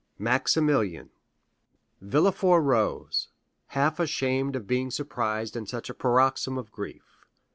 Maximilian Villefort rose, half ashamed of being surprised in such a paroxysm of grief.